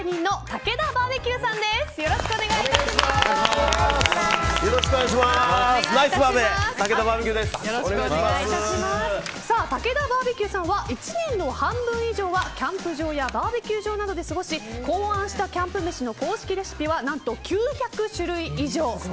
たけだバーベキューさんは１年の半分以上はキャンプ場やバーベキュー場などで過ごし考案したキャンプ飯の公式レシピは何と９００種類以上。